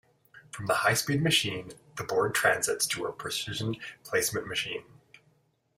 From the high speed machine, the board transits to a precision placement machine.